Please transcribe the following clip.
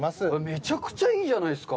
めちゃくちゃいいじゃないですか！